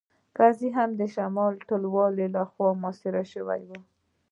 کرزی هم د شمالي ټلوالې لخوا محاصره شوی و